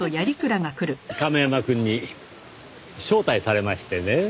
亀山くんに招待されましてね。